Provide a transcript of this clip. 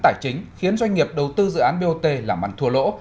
tài chính khiến doanh nghiệp đầu tư dự án bot làm ăn thua lỗ